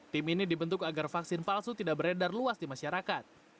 tim ini dibentuk agar vaksin palsu tidak beredar luas di masyarakat